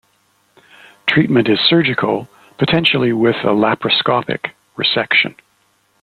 Treatment is surgical, potentially with a laparoscopic resection.